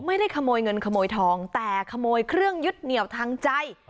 ไม่ได้ขโมยเงินขโมยทองแต่ขโมยเครื่องยึดเหนียวทางใจ